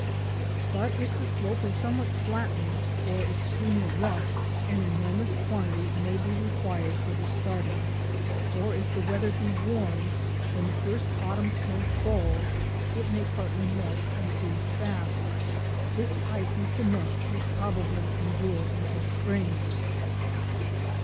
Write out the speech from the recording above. But if the slope is somewhat flattened or extremely rough an enormous quantity may be required for the starting, or if the weather be warm when the first autumn snow falls it may partly melt and freeze fast. This icy cement will probably endure until spring.